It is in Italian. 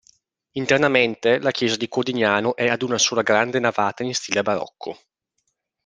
Internamente la chiesa di Cordignano è ad una sola grande navata in stile barocco.